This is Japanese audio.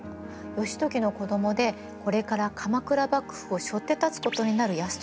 義時の子どもでこれから鎌倉幕府をしょって立つことになる泰時がね